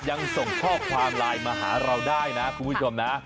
ยังส่งข้อความไลน์มาหาเราได้นะคุณผู้ชมนะ